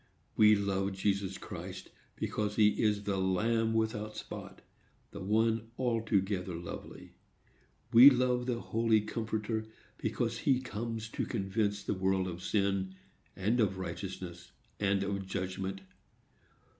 We love Jesus Christ, because he is the Lamb without spot, the one altogether lovely. We love the Holy Comforter, because he comes to convince the world of sin, and of righteousness, and of judgment.